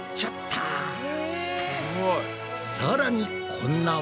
さらにこんな技も。